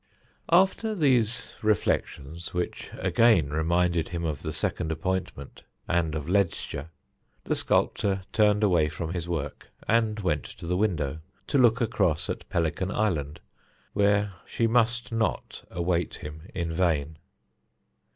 After these reflections, which again reminded him of the second appointment and of Ledscha, the sculptor turned away from his work and went to the window to look across at Pelican Island, where she must not await him in vain.